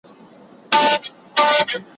ماتول یې ښکلي لوښي او چاینکي